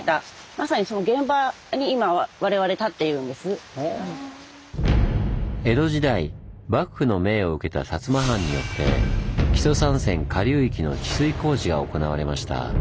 実は江戸時代幕府の命を受けた摩藩によって木曽三川下流域の治水工事が行われました。